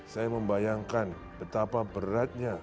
saya membayangkan betapa beratnya